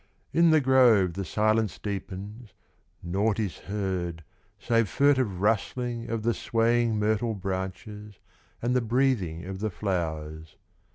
In the grove the silence deepens; Naught is heard save furtive rustling Of the swaying myrtle branches, And the breathing of the flowers.